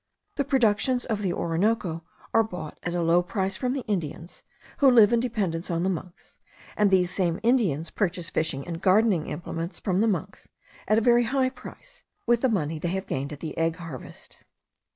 The productions of the Orinoco are bought at a low price from the Indians, who live in dependence on the monks; and these same Indians purchase fishing and gardening implements from the monks at a very high price, with the money they have gained at the egg harvest.